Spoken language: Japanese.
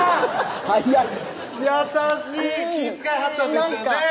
早い優しい気ぃ遣いはったんですよねぇ